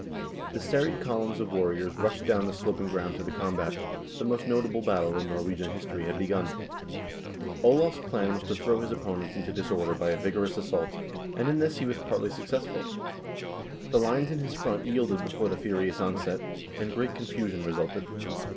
The serried columns of warriors rushed down the sloping ground to the combat ; the most notable battle in Nor wegian history had begun. Olav's plan was to throw his opponents into disorder by a vigorous assault, and in this he was partly success ful. The lines in his front yielded before the furious onset, and great confusion resulted.